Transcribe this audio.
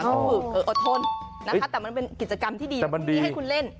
ต้องฝึกเอออดทนแต่มันเป็นกิจกรรมที่ดีมีให้คุณเล่น